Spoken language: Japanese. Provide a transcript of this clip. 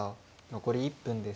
残り１分です。